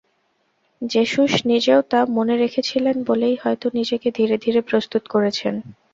Jesus নিজেও তা মনে রেখেছিলেন বলেই হয়তো নিজেকে ধীরে ধীরে প্রস্তুত করেছেন।